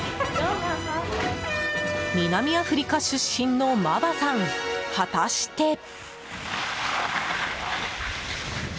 南アフリカ出身のマバさん果たして。